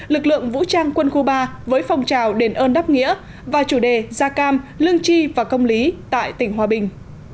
lực lượng vũ trang quân khu ba với phong trào đền ơn đáp nghĩa và chủ đề gia cam lương chi và công lý tại tỉnh hòa bình